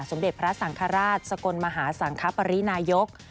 สมเด็จพระสังฆราชสกลมหาสังคปรินายก